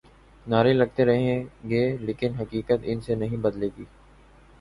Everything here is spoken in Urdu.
نعرے لگتے رہیں گے لیکن حقیقت ان سے نہیں بدلے گی۔